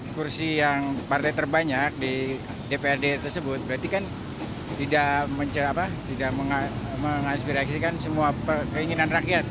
kursi yang partai terbanyak di dprd tersebut berarti kan tidak mengaspirasikan semua keinginan rakyat